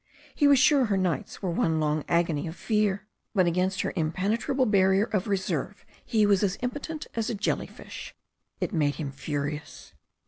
He was sure her nights were one long agony of fear. But against her impenetrable barrier of reserve he was as impotent as a jellyfish. It made him furious.